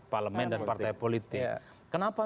parlemen dan partai politik kenapa